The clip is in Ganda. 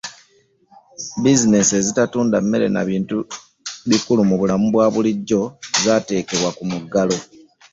bizineesi ezitatunda mmere na bintu bikulu mu bulamu obwabulijjo zaateekebwa ku muggalo.